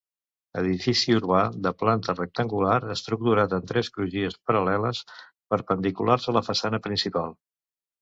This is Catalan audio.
Edifici urbà de planta rectangular, estructurat en tres crugies paral·leles, perpendiculars a la façana principal.